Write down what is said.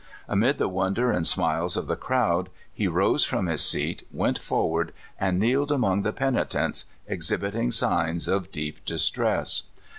Amid the wonder and smiles of the crowd, he rose from his seat, went forward, and kneeled among the pen itents, exhibiting signs of deep distress.